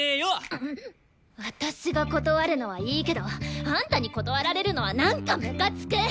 私が断るのはいいけどあんたに断られるのはなんかムカつく！